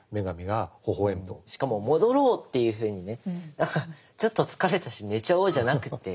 しかも戻ろうというふうにね何かちょっと疲れたし寝ちゃおうじゃなくて。